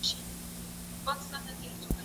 کېدای سي نان تياره وي!؟